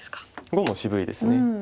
碁も渋いです。